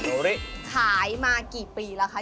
ขายมากี่ปีแล้วคะ